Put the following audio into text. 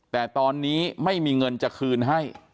แต่ตอนนี้ไม่มีเงินจะคืนให้